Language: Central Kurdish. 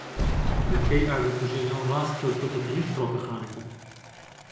بنکەی ئاگرکوژێنەوە ڕاست کەوتووەتە تەنیشت فڕۆکەخانەکە.